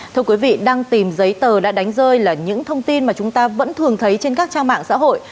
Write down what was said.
thưa quý vị đang tìm giấy tờ đã đánh rơi là những thông tin mà chúng ta vẫn thường thấy trên các trang mạng xã hội